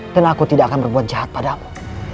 dan aku tidak akan berbuat jahat padamu